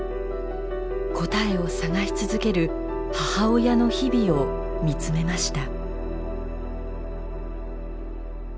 答えを探し続ける母親の日々を見つめました。